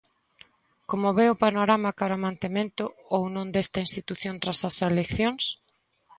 Como ve o panorama cara ao mantemento ou non desta institución tras as eleccións?